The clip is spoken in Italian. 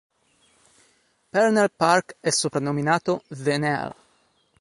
Parnell Park è soprannominato "The Nell".